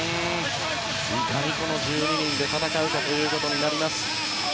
いかに、この１２人で戦うかということになります。